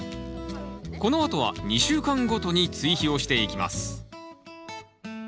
このあとは２週間ごとに追肥をしていきます